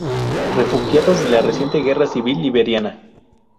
Refugiados de la reciente guerra civil liberiana.